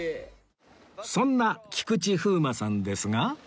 そんな菊池風磨さんですが